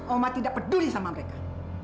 oma tidak peduli sama mereka